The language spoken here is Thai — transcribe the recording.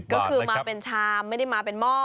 ก็คือมาเป็นชามไม่ได้มาเป็นหม้อ